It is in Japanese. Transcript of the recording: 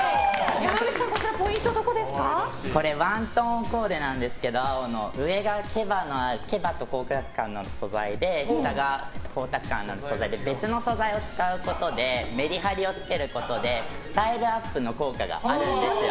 山口さん、こちらワントーンコーデなんですけど上が毛羽と光沢感のある素材で下が光沢感のある素材で別の素材を使うことでメリハリをつけることでスタイルアップの効果があるんですよ。